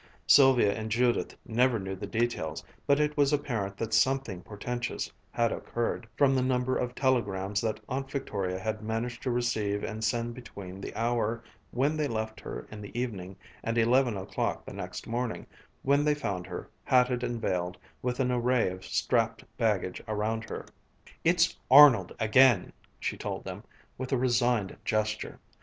Sylvia and Judith never knew the details, but it was apparent that something portentous had occurred, from the number of telegrams Aunt Victoria had managed to receive and send between the hour when they left her in the evening, and eleven o'clock the next morning, when they found her, hatted and veiled, with an array of strapped baggage around her. "It's Arnold again!" she told them, with a resigned gesture.